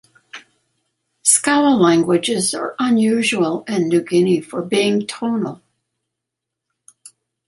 Skou languages are unusual in New Guinea for being tonal.